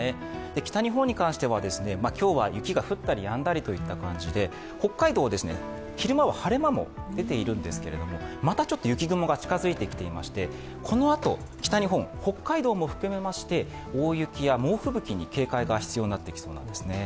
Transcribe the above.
北日本に関しては今日は雪が降ったりやんだりという感じで北海道は昼間は晴れ間も出ているんですけど、またちょっと雪雲が近づいてきていまして、このあと、北日本北海道も含めまして大雪や猛吹雪に警戒が必要になってきそうなんですね。